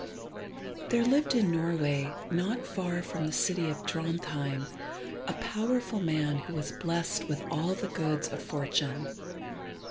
There lived in Norway, not far from the city of Drontheim, a powerful man who was blessed with all the goods of fortune.